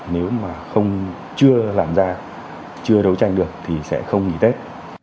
nếu mà không chưa làm ra chưa đấu tranh được thì sẽ không nghỉ tết